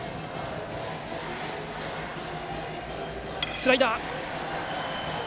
スライダー。